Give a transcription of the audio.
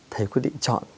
thầy quyết định chọn